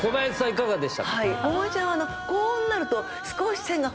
いかがでしたか？